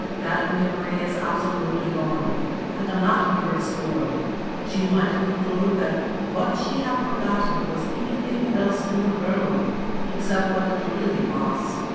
That memory is absolutely gone, and cannot be restored. She might conclude that what she had forgotten was anything else in the world except what it really was.